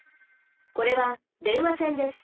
これは電話線です。